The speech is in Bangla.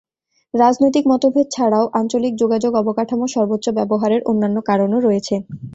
রাজনৈতিক মতভেদ ছাড়াও আঞ্চলিক যোগাযোগ অবকাঠামোর সর্বোচ্চ ব্যবহারের অন্যান্য কারণও রয়েছে।